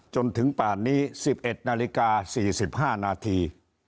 จนถึงป่านนี้๑๑นาฬิกา๔๕นาที